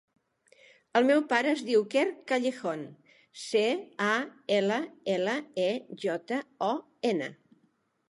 El meu pare es diu Quer Callejon: ce, a, ela, ela, e, jota, o, ena.